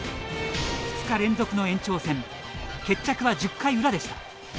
２日連続の延長戦決着は１０回裏でした。